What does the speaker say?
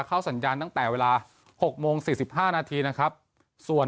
เข้าสัญญาณตั้งแต่เวลาหกโมงสี่สิบห้านาทีนะครับส่วน